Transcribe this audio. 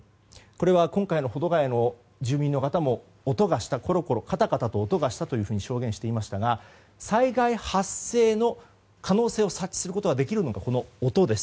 今回の保土ケ谷区の住民の方も音がした、コロコロカタカタとしたと証言していましたが災害発生の可能性を察知することができるのが音です。